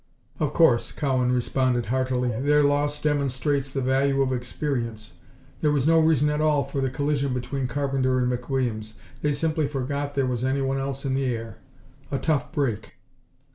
"Of course," Cowan responded, heartily. "Their loss demonstrates the value of experience. There was no reason at all for the collision between Carpenter and McWilliams. They simply forgot there was anyone else in the air. A tough break."